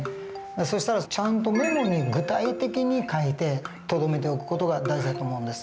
そしたらちゃんとメモに具体的に書いてとどめておく事が大事だと思うんです。